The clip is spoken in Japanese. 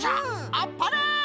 あっぱれ！